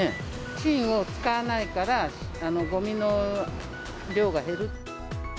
芯を使わないから、ごみの量が減る。